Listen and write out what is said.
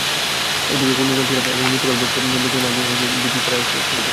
এদিকে ঘূর্ণিঝড় টিলা এবং মৃত্যুপ্রায় বৃক্ষের মাঝ দিয়ে গমনকালে ভীতিকর আওয়াজ সৃষ্টি করে চলছিল।